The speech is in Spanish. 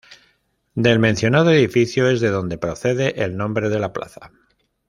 Del mencionado edificio es de donde procede el nombre de la plaza.